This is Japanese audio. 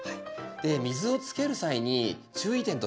水をつける際に注意点として